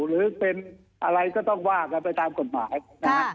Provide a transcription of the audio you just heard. หรือเป็นอะไรก็ต้องว่ากันไปตามกฎหมายนะฮะ